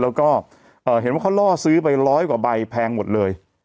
แล้วก็เห็นว่าเขาล่อซื้อไปร้อยกว่าใบแพงหมดเลย